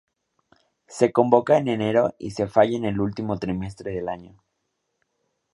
Se convoca en enero y se falla en el último trimestre del año.